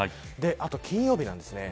あと金曜日なんですね。